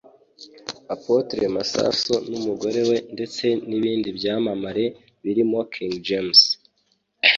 Apotre Masasu n’umugore we ndetse n’ibindi byamamare birimo King James